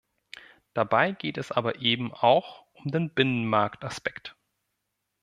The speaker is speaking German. Dabei geht es aber eben auch um den Binnenmarktaspekt.